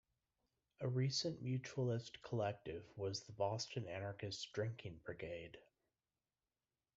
A recent mutualist collective was the Boston Anarchist Drinking Brigade.